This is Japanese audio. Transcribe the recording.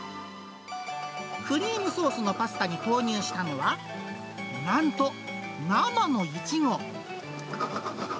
クリームソースのパスタに投入したのは、なんと生のイチゴ。